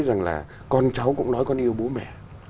rằng là con cháu cũng nói con yêu bố mẹ